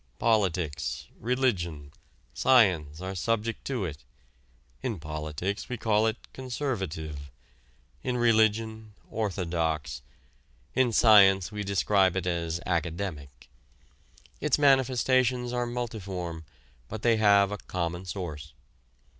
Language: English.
Politics, religion, science are subject to it, in politics we call it conservative, in religion orthodox, in science we describe it as academic. Its manifestations are multiform but they have a common source.